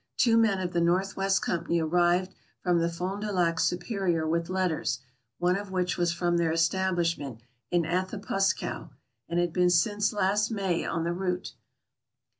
Two men of the North West Company arrived from the Fond du Lac Su perior with letters, one of which was from their establishment in Athapuscow, and had been since last May on the route.